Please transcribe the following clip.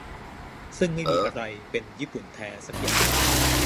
ซึ่งไม่มีอะไรเป็น "ญี่ปุ่นแท้" สักอย่าง